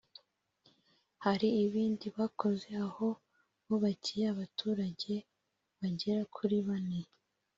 Hari ibindi bakoze aho bubakiye abaturage bagera kuri bane